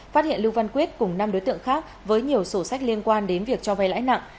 phát hiện lưu văn quyết cùng năm đối tượng khác với nhiều sổ sách liên quan đến việc cho vay lãi nặng